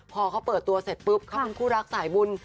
พอเขาเปิดตัวเสร็จปุ๊บเขาเป็นคู่รักสายบุญ